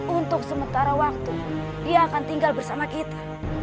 untuk sementara waktu dia akan tinggal bersama kita